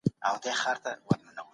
ظلم د واک د زوال پیلامه ده.